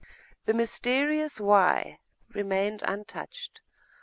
The mysterious 'Why?' remained untouched....